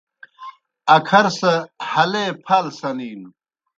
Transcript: اکھر سہ ہلے پھال سنِینوْ۔